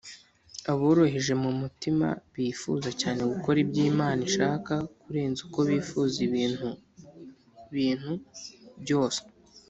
aboroheje mu mutima, bifuza cyane gukora ibyo imana ishaka kurenza uko bifuza ibindi bintu byose,